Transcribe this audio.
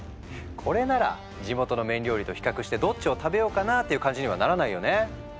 これなら地元の麺料理と比較してどっちを食べようかな？っていう感じにはならないよね。